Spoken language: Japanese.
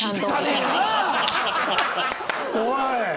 おい。